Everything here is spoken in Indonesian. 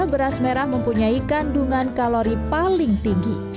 beras merah mempunyai kandungan kalori paling tinggi